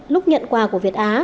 lúc nhận quà của việt á